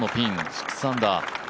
６アンダー。